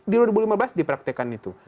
di dua ribu lima belas dipraktekan itu